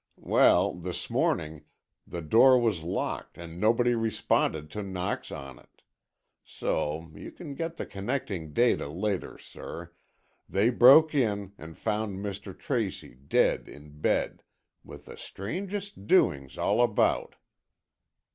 Well, this morning, the door was locked and nobody responded to knocks on it. So—you can get the connecting data later, sir—they broke in, and found Mr. Tracy dead in bed, with the strangest doings all about."